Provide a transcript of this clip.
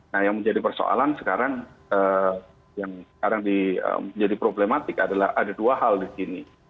nah yang menjadi persoalan sekarang yang sekarang menjadi problematik adalah ada dua hal di sini